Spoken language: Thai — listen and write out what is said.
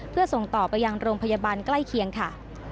เพื่อส่งต่อไปยังโรงพยาบาลใกล้เคียงค่ะ